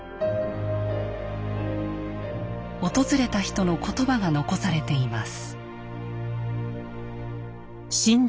訪れた人の言葉が残されています。